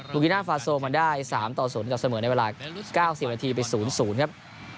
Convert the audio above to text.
ูกิน่าฟาโซมาได้๓ต่อ๐กับเสมอในเวลา๙๐นาทีไป๐๐ครับ